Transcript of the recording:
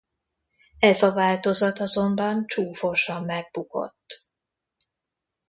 Ez a változat azonban csúfosan megbukott.